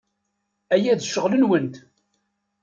Aya d ccɣel-nwent.